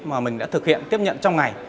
mà mình đã thực hiện tiếp nhận trong ngày